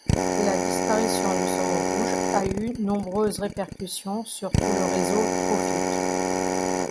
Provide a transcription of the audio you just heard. La disparition du saumon rouge a eu nombreuses répercutions sur tout le réseau trophique.